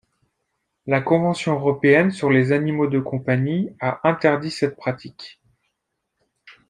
La Convention européenne sur les animaux de compagnie a interdit cette pratique.